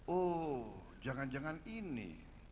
oh jangan jangan ini